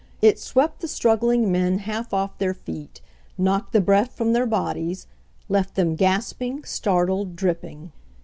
It swept the struggling men half off their feet; knocked the breath from their bodies ; left them gasping, startled, dripping.